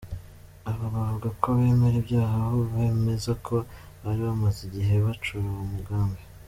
Aba bavuga ko bemera ibyaha aho bemeza ko bari bamaze igihe bacura uwo mugambi.